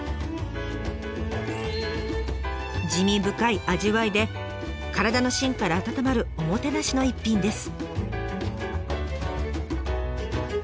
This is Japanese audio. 滋味深い味わいで体の芯から温まるおもてなしの一品です。